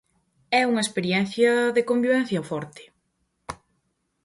É unha experiencia de convivencia forte...